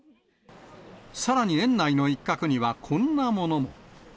さらに園内の一角には、こんなものも。